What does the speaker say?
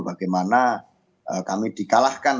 bagaimana kami di kalahkan